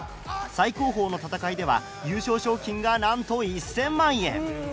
最高峰の戦いでは優勝賞金がなんと１０００万円。